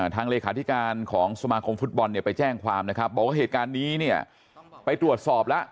เลขาธิการของสมาคมฟุตบอลเนี่ยไปแจ้งความนะครับบอกว่าเหตุการณ์นี้เนี่ยไปตรวจสอบแล้ว